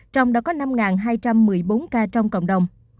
trong đó có năm hai trăm một mươi bốn ca trong cộng đồng